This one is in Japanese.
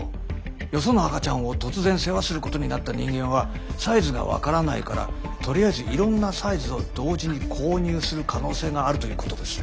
よその赤ちゃんを突然世話することになった人間はサイズが分からないからとりあえずいろんなサイズを同時に購入する可能性があるということですね。